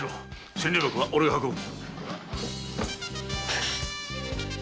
千両箱は俺が運ぶ。